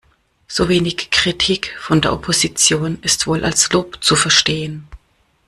So wenig Kritik von der Opposition ist wohl als Lob zu verstehen.